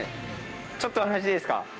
ちょっとお話いいですか？